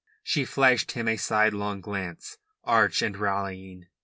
She flashed him a sidelong glance, arch and rallying.